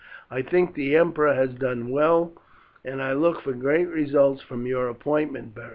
"I think the emperor has done well, and I look for great results from your appointment, Beric.